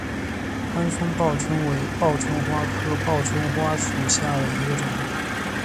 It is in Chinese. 松潘报春为报春花科报春花属下的一个种。